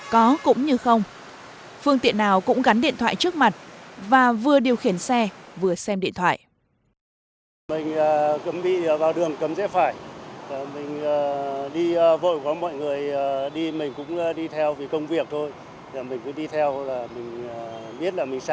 có cũng như không phương tiện nào cũng gắn điện thoại trước mặt và vừa điều khiển xe vừa xem điện thoại